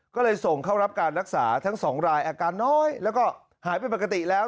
ก็เลยส่งเข้ารับการรักษาทั้งสองรายอาการน้อยแล้วก็หายเป็นปกติแล้ว